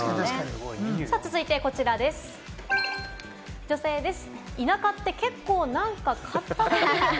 続いてこちらです、女性の方。